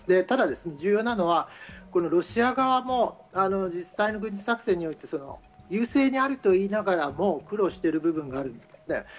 ただ重要なのはロシア側も実際の軍事作戦において優勢にあると言いながらも、苦労している部分があるんですね。